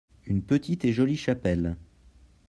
une petite et jolie chapelle.